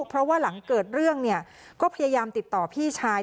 เพราะว่าหลังเกิดเรื่องเนี่ยก็พยายามติดต่อพี่ชาย